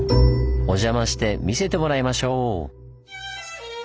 お邪魔して見せてもらいましょう！